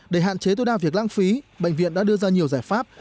để hạn chế tối đa việc lãng phí bệnh viện đã đưa ra nhiều giải pháp